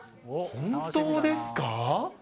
本当ですか？